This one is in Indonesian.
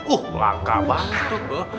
uh langka banget tuh